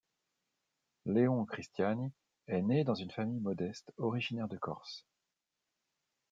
Léon Cristiani est né dans une famille modeste originaire de Corse.